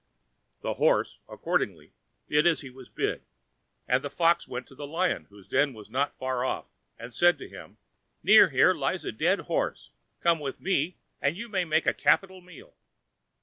The horse, accordingly, did as he was bid, and the fox went to the lion, whose den was not very far off, and said to him, "Near here lies a dead horse; come with me and you may make a capital meal."